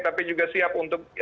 tapi juga siap untuk